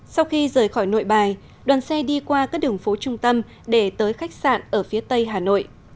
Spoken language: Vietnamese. sau khi rời khỏi nội bài đoàn xe đi qua các đường phố trung tâm để tới khách sạn ở phía tây hà nội